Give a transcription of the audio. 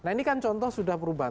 nah ini kan contoh sudah perubahan